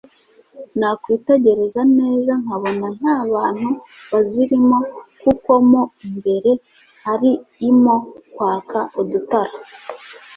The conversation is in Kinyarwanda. nakwitegereza neza nkabona ntabantu bazirimo kuko mo imbere hariimo kwaka udutara